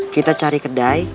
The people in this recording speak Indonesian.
kita cari kedai